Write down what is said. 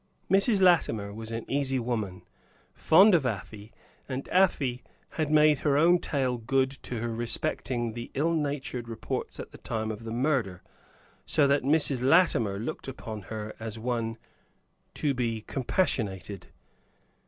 Mrs. Latimer was an easy woman, fond of Afy, and Afy had made her own tale good to her respecting the ill natured reports at the time of the murder, so that Mrs. Latimer looked upon her as one to be compassionated.